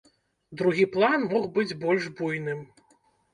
Другі план мог быць больш буйным.